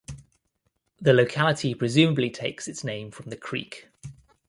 The locality presumably takes its name from the creek.